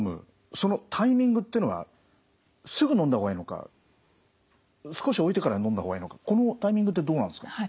そのタイミングっていうのはすぐのんだ方がいいのか少し置いてからのんだ方がいいのかこのタイミングってどうなんですか？